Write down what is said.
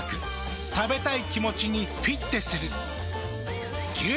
食べたい気持ちにフィッテする。